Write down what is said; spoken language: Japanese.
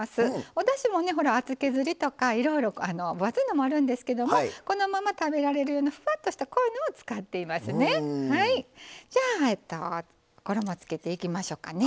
おだしも厚削りとか分厚いのもあるんですけどもこのまま食べられるようなふわっとした濃いものを使っていますね。